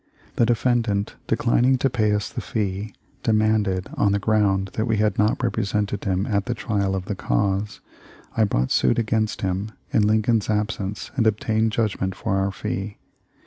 The defendant declining to pay us the fee demanded, on the ground that we had not rep resented him at the trial of the cause, I brought suit against him in Lincoln's absence and obtained judgment for our fee.